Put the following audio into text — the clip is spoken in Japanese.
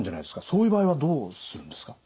そういう場合はどうするんですか？